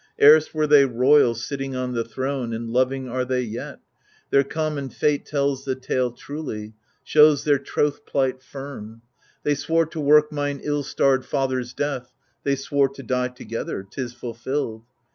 Erst weie they royal, sitting on the throne, And loving are they yet, — their common fate Tells the tale truly, shows their trothplight firm. They swore to work mine ill starred father's death, They swore to die together ; 'tis fulfilled.